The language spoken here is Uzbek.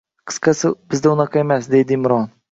Qisqasi, bizda unaqa emas”, — deydi Imron